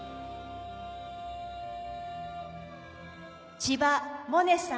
千葉百音さん。